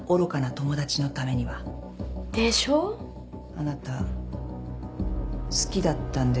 あなた好きだったんでしょ？